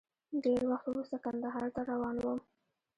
ډېر وخت وروسته کندهار ته روان وم.